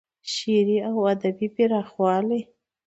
شعري او ادبي پراخوالی